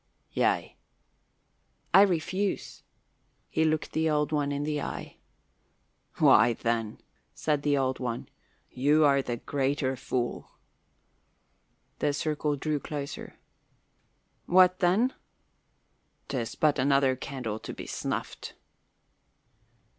"Yea." "I refuse." He looked the Old One in the eye. "Why, then," said the Old One, "you are the greater fool." The circle drew closer. "What then?" "'Tis but another candle to be snuffed."